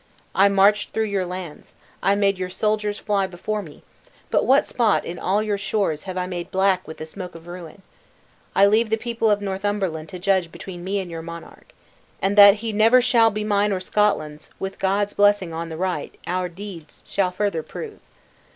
I marched through your lands, I made your soldiers fly before me; but what spot in all your shores have I made black with the smoke of ruin? I leave the people of Northumberland to judge between me and your monarch. And that he never shall be mine or Scotland's, with God's blessing on the right, our deeds shall further prove!"